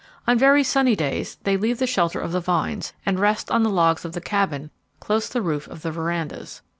On very sunny days, they leave the shelter of the vines, and rest on the logs of the Cabin close the roof of the verandas.